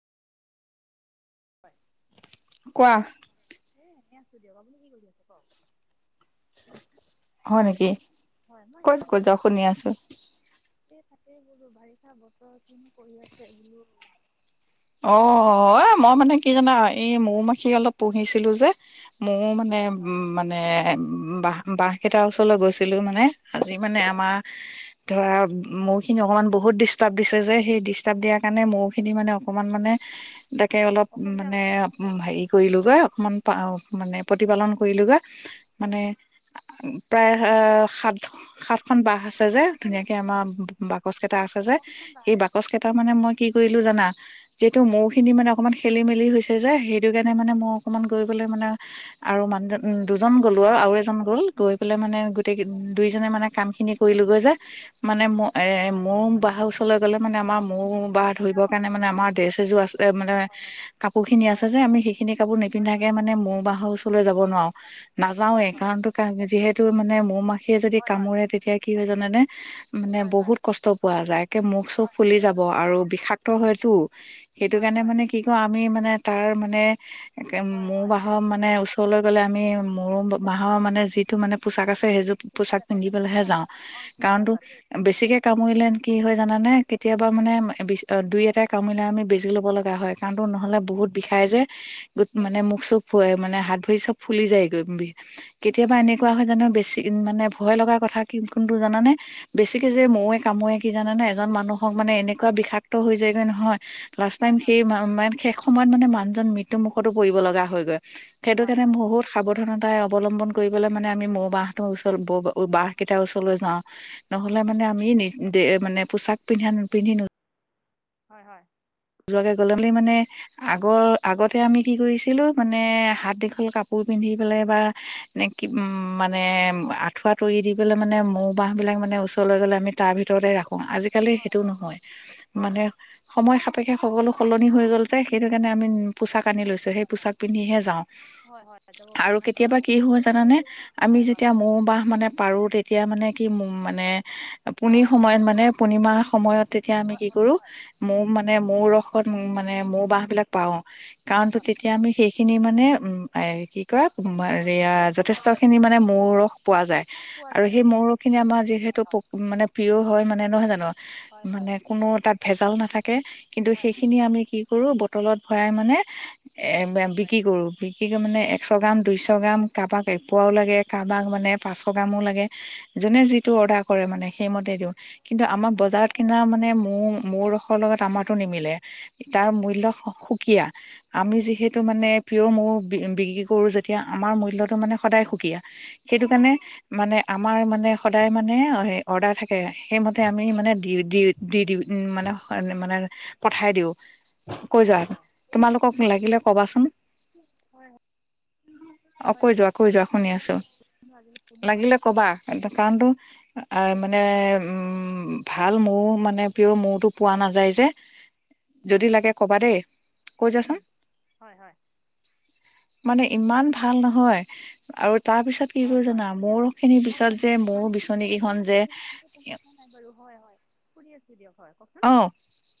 হয়। কোৱা। এ এনেই আছো দিয়ক আপুনি কি কৰি আছে। হয় নেকি। হয় মই কত এনেই কৈ আছোঁ যোৱা শুনি আছো। তাকে এই বোলো বাৰিষা বতৰ কিনো কৰি আছে বোলো। অ এ মই মানে। কি জানা এই মৌ মাখি অলপ। পঢ়িছিলো যে। মোৰ মানে হয় হয় মানে বা। বাঁহ কেইটাৰ ওচৰলৈ গৈছিলো মানে। আজি মানে হয় হয় আমাৰ। ধৰা মৌখিনি অকণমান বহুত ডিষ্টাৰ্ব দিছে যে সেই ডিষ্টটাৰ্ব দিয়াৰ কাৰণে মৌখিনি মানে। অকমান মানে। তাকে অলপ অসুবিধা মানে হৈছে হেৰি কৰিলোঁগৈ। মান মানে প্ৰতিপালন কৰিলোগৈ মানে প্ৰায় সাত সাত। এখন বাহ আছে যে শুনি ধুনীয়াকে আছোঁ শুনি আমাৰ আছোঁ বাকচ কেইটা আছে যে সেই বাকচ কেইটা। তাৰ মানে মই কি কৰিলো জানা। যিহেতু মৌ খিনি মানে অকমান খেলি মেলি হৈছে যে সেইটো কাৰণে মানে মই অকমান গৈ পেলাই মানে। আৰু মানুহ মানে দুজন অকণমান গ'লো আৰু অসুবিধা। আৰু এজন গ'ল গৈ পেলাই মানে গোটেই দুইজনে মানে কাম খিনি কৰিলোগৈ যে মানে ম এ মৌ ৰ বাহ ওচৰলৈ গ'লে মানে আমাৰ মৌ বাহ ধৰিবৰ কাৰণে। মানে আমাৰ ড্ৰেছ এযোৰ আছে মানে কাপোৰ খিনি আছে হয় যে হয় আমি হয় সেইখিনি কাপোৰ হয় নিপিন্ধাকে মানে মৌ বাহৰ। ওচৰলৈ যাব নোৱাৰো নাযাওঁ হয় হয় একাউন্ট কাহ যিহেতু মানে মৌ। যদি হয় কামোৰে তেতিয়া কি হয় জানে নে। মানে হয় হয় হয় বহুত কষ্ট পোৱা যায়। কে মুখ চুখ ফুলি যাব আৰু বিশাক। ক্ত হয়। চু। হয় হয় সেইটো হয় কাৰণে হয় মানে কি কওঁ আমি মানে। তাৰ মানে। একে হয় মৌ হয় বাহৰ মানে উচ। লৈ গ'লে আমি মৌ বাহৰ মানে যিটো মানে পচাক আছে। সেইোৰ পোচাক আছে পিন্ধি মানে পলেহে অসুবিধা যাওঁ হয় মানে অঁ আচ্ছা আচ্ছা কাৰণো আচ্ছা ঠিকে কৈছে মানে বেছিকে কামুৰিলে কি হয় জানানে কেতিয়াবা মানে হেল্ল' দুই হয় এটা। কামৰিলা আমি বেজি ল'ব লগা হয় কাৰণো নহলে বহুত বিষাই যে মানে মুখ চব মানে হাত ভৰি চব ফুলি যায়ৈ কেতিয়াবা এনেকুৱা হয় জানো বেছি মানে ভয় লগা কথা কি কোনটো জানানে বেছিকে যে মৱে কামোৰে কি জানানে এজন মানুহ হওক মানে এনেকুৱা বিষাক্ত হৈ যায় নহয় লাষ্ট ট হয় সল হয় শেষ সময়ত মানে মানুহজন মৃত্যু মুখতো পৰিব লগা হৈগৈ সেইটো হয় কাৰণে হয় বহুত ঠিকে কৈছে আপুনি হয় সাৱধানতাই অৱলম্বন কৰিবলে মানে আমি মৌ বাহ তোৰ ওচৰতৰ ব বাহকেইাৰ ওচৰলৈ যাওঁ অঁ নহ'লে হয় মানে আমি নি মানে পোছাক পিন্ধ পিন্ধিনো হয় হয়। যোৱাকে গ'লে বুলি বুলি মানে আগৰ আগতে আমি কি কৰিছিলো মানে হাত দীঘল কাপোৰ পিন্ধি পেলাই বা এনে কি মানে আঁঠুৱা তৰি দি পেলাই মানে মোক বাহহিলাক মানে ওচলৈ গলে আমি তাৰ ভিত ভৰে ৰাখো। আজিকালি সেইটো নহয় হয় হয় মানে হয় সময়। সপেক্ষে সকলো সলনি হৈ গ'ল যে সেইটো কাৰণে আমি। পোচাক আনি হয় লৈছো সেই পোছাক পিন্ধিহে যাওঁ হয় হয় যাব পাৰে আৰু মানে যাম কেতিয়াবা মানে কি হ অঁ অঁ জানানে আমি হয় হয় যেতিয়া মৌ বাহ মানে পাৰো তেতিয়া মানে কি মানে পুণি হয় সময়ত মানে পূৰ্ণিমা সময়ত তেতিয়া আমি হয় কি কৰো মৌ মানে মোৰ ৰসত মানে মৌ বাহ বিলাক পাও হয় হয় কাৰণ তো হয় তেতিয়া আমি শেইষ খিনি মানে উম কি হয় কয়া হয় যথেষ্ট খিনি মানে মোৰ পোৱা যায় পোৱা যায় আৰু সেই পোৱা যায় মৰু খিনি আমাৰ যিহেতু হয় মানে প্ৰিয় হয় মানে নহয় জানো হয় হয় মানে কোনো তাত ভেজাল নাথাকে কিন্তু হয় সেইখিনি আমি কি কৰো বটলত ভৰাই মানে। এ হয় বিক্ৰী কৰো বি- কি কয় মানে একশ গ্ৰাম দুইশ গ্ৰাম কাৰোবাক এপোৱাও লাগে কাৰোবাক মানে পাঁচশ গ্ৰামো লাগে যোনে যিটো অৰ্ডাৰ কৰে মানে সেইমতে দিওঁ কিন্তু আমাৰ বজাৰত কিনা মানে মোৰ মোৰ লগত আমাৰটো নিমিলে তাৰ মূল্ সুকীয়া আমি যিহেতু মানে পিয়ৰ মৌ বিক্ৰী কৰো যেতিয়া আমাৰ মূল্য়তটো মানে সদায় সুকীয়া সেইটো কাৰণে মানে আমাৰ মানে সদায় মানে অৰ্ডাৰ থাকে সেইমতে আমি মানে দি দি দি দিওঁ মানে মানে পঠাই দিওঁ। কৈ যোৱা হয় হয় তোমালোকক লাগিলে ক'বাচোন হয় হয় অ কৈ হয় যোৱা কৈ যোৱা শুনি আছো আজিলৈ শুনি পোৱা লাগিলে কবা কাৰণতো। আৰু মানে উম ভাল মৌ মানে পিয়ৰ মৌতটো পোৱা নাযায় যে যদি লাগে কবা দেই কৈ যাচোন হয় হয় মানে ইমান ভাল নহয় আৰু তাৰ পিছত কি হয় কৰো হয় জানা শুনি মৌৰ আছো খিনি অ পিছত হয় যে মৌ মানে কি বিচনী হয় কেইখন মই যে আজি শুনি আছো [inaudible] হয় কওকচোন অ